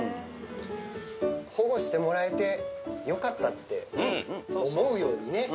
保護してもらえてよかったって思うようにね。